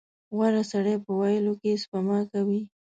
• غوره سړی په ویلو کې سپما کوي.